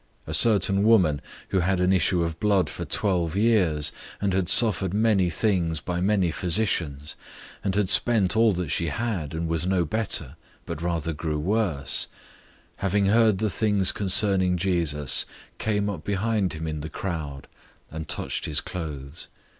005:025 A certain woman, who had an issue of blood for twelve years, 005:026 and had suffered many things by many physicians, and had spent all that she had, and was no better, but rather grew worse, 005:027 having heard the things concerning Jesus, came up behind him in the crowd, and touched his clothes.